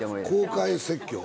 公開説教？